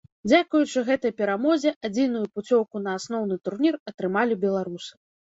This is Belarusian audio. Дзякуючы гэтай перамозе адзіную пуцёўку на асноўны турнір атрымалі беларусы.